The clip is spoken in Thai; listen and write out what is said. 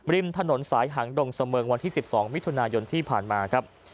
ริมถนนสายหางดงเสมิงวันที่๑๒มิถุนายนที่ผ่านมาครับ